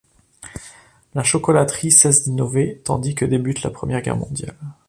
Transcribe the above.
La chocolaterie cesse d'innover tandis que débute la Première Guerre mondiale.